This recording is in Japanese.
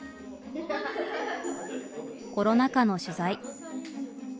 コロナ禍の取材。